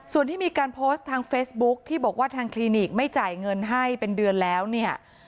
ส่วนที่มีการโพสต์ทางเฟซบุ๊คที่บอกว่าทางคลินิกไม่จ่ายเงินให้เป็นเดือนแล้วเนี่ย